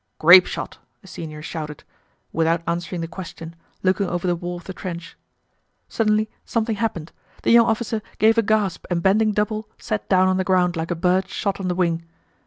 "Grapeshot!" the senior shouted, without answering the question, looking over the wall of the trench. Suddenly something happened: the young officer gave a gasp and bending double sat down on the ground like a bird shot on the wing.